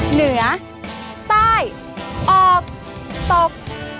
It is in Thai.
เหนือใต้ออกตก